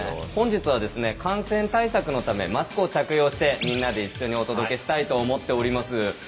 本日は感染対策のためマスクを着用してみんなで一緒にお届けしたいと思っております。